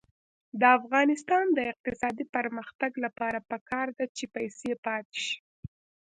د افغانستان د اقتصادي پرمختګ لپاره پکار ده چې پیسې پاتې شي.